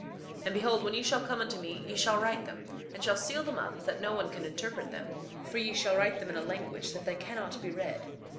3:22 And behold, when ye shall come unto me, ye shall write them and shall seal them up, that no one can interpret them; for ye shall write them in a language that they cannot be read.